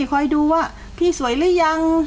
คอยดูว่าพี่สวยหรือยัง